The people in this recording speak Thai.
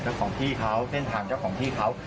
จะไม่เคลียร์กันได้ง่ายนะครับ